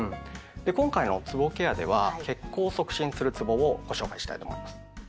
今回のつぼケアでは血行を促進するつぼをご紹介したいと思います。